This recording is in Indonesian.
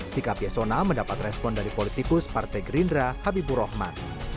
sikap yasona mendapat respon dari politikus partai gerindra habibur rahman